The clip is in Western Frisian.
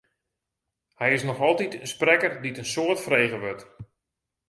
Hy is noch altyd in sprekker dy't in soad frege wurdt.